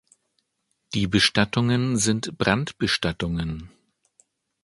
Die Bestattungen sind Brandbestattungen.